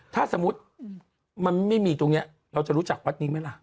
ถ้าสมมุติมันไม่มีตรงนี้เราจะรู้จักวัดนี้ไหมล่ะ